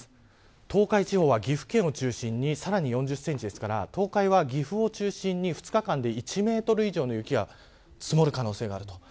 東海地方は岐阜県を中心にさらに４０センチですから東海は、岐阜を中心に２日間で１メートル以上の雪が積もる可能性がある。